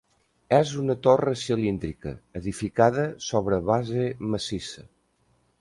És una torre cilíndrica, edificada sobre base massissa.